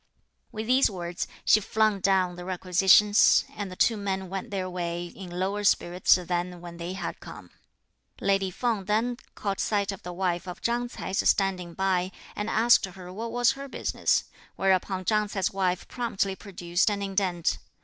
With these words, she flung down the requisitions, and the two men went their way in lower spirits than when they had come. Lady Feng then caught sight of the wife of Chang Ts'ai standing by, and asked her what was her business, whereupon Chang Ts'ai's wife promptly produced an indent.